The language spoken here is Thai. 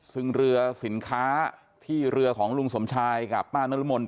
ซึ่งเรือสินค้าที่เรือของลุงสมชายกับป้านรมน